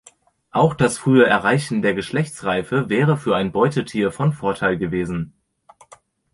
Auch das frühe Erreichen der Geschlechtsreife wäre für ein Beutetier von Vorteil gewesen.